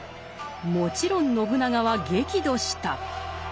もちろん信長は激怒した。